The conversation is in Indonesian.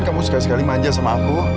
kamu sekali sekali manja sama aku